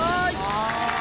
はい。